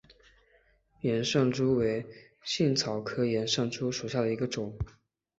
岩上珠为茜草科岩上珠属下的一个种。